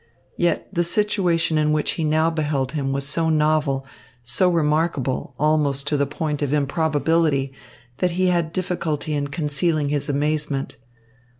Yet the situation in which he now beheld him was so novel, so remarkable, almost to the point of improbability, that he had difficulty in concealing his amazement.